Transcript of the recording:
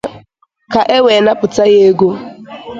ka e wee napụta ha ego.